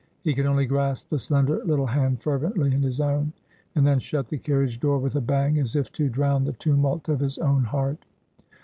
He could only grasp the slender little hand fervently in his own, and then shut the carriage door with a bang, as if to drown the tumult of his own heart.